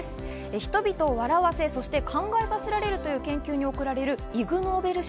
人々を笑わせ、そして考えさせられるという研究に贈られるイグ・ノーベル賞。